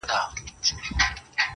په زندان کښې د یوسف سره اسیر یم.